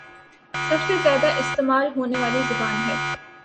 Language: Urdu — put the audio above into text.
سب سے زیادہ استعمال ہونے والی زبان ہے